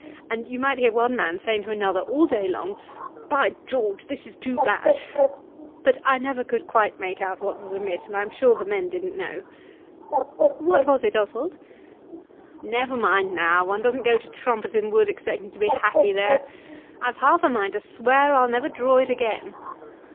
And you might hear one man saying to another all day long, 'By George, this is too bad.' But I never could quite make out what was amiss, and I'm sure the men didn't know." "What was it, Oswald?" "Never mind now. One doesn't go to Trumpeton Wood expecting to be happy there. I've half a mind to swear I'll never draw it again."